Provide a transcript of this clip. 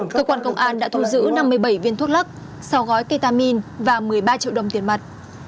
cơ quan công an đã thu giữ năm mươi bảy viên thuốc lắc sáu gói ketamin và một mươi ba triệu đồng tiền mặt